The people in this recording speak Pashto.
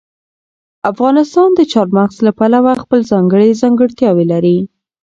افغانستان د چار مغز له پلوه خپله ځانګړې ځانګړتیاوې لري.